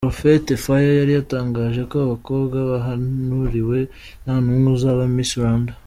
Prophet Fire yari yatangaje ko abakobwa bahanuriwe nta n'umwe uzaba Miss Rwanda.